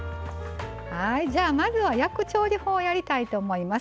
まずは焼く調理法をやりたいと思います。